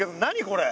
これ。